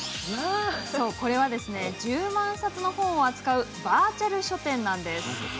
そう、これは１０万冊の本を扱うバーチャル書店なんです。